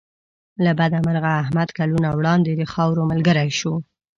له بده مرغه احمد کلونه وړاندې د خاورو ملګری شو.